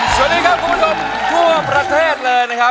สวัสดีครับคุณผู้ชมทั่วประเทศเลยนะครับ